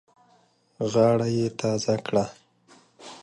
غاړه یې تازه کړه.